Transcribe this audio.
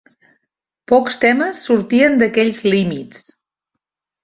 Pocs temes sortien d'aquells límits.